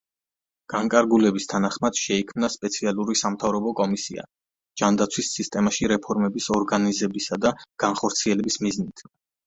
განკარგულების თანახმად, შეიქმნა სპეციალური სამთავრობო კომისია, ჯანდაცვის სისტემაში რეფორმების ორგანიზებისა და განხორციელების მიზნით.